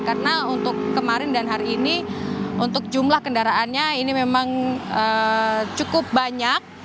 karena untuk kemarin dan hari ini untuk jumlah kendaraannya ini memang cukup banyak